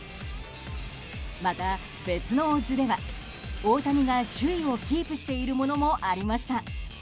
また別のオッズでは大谷が首位をキープしているものもありました。